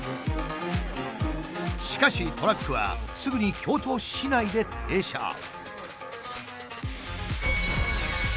しかしトラックはすぐに京都市内で停車。